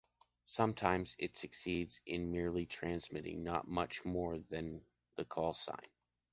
Sometimes it succeeds in merely transmitting not much more than the call sign.